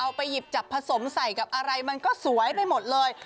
เอาไปหยิบจับผสมใส่เอามาน่ะสวยไปหมดเลย